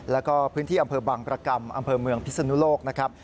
แล้วก็พื้นที่อำเภอบังประกรรมอำเภอเมืองพิศนุโลกนะครับ